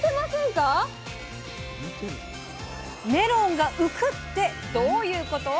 メロンが浮くってどういうこと⁉